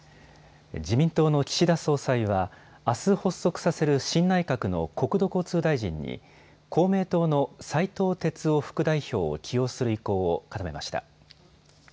自民党の岸田総裁はあす発足させる新内閣の国土交通大臣に公明党の斉藤鉄夫副代表を起用する意向を固めました。